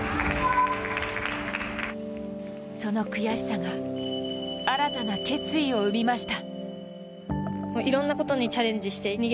その悔しさが新たな決意を生みました。